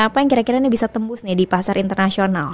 apa yang kira kira ini bisa tembus di pasar internasional